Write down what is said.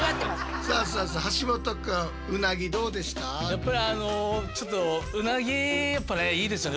やっぱりあのちょっとうなぎやっぱいいですよね。